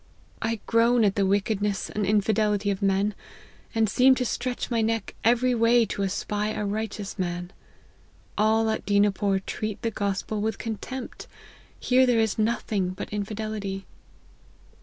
" 1 groan at the wickedness and infidelity of LIFE OF HENRY MARTYN. 113 men, and seem to stretch my neck every way to espy a righteous man. All at Dinapore treat the gospel with contempt ; here there is nothing but infidelity."